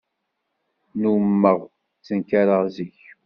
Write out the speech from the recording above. Nnummeɣ ttenkareɣ zik.